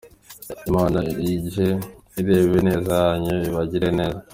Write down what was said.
Imana ijye ireba ineza yanyu, ibagirire neza.